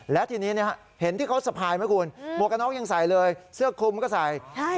และทีนี้เห็นที่เขาสะพายไหมคุณหมวกกระน็อกยังใส่เลยเสื้อคลุมก็ใส่